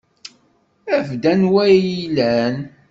Af-d anwa ay iyi-ilan.